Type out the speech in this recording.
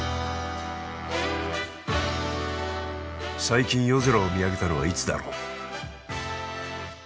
最近夜空を見上げたのはいつだろう？